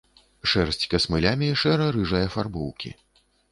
Шэрсць касмылямі шэра-рыжай афарбоўкі.